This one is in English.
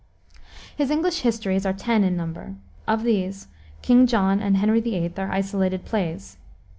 His English histories are ten in number. Of these King John and Henry VIII. are isolated plays.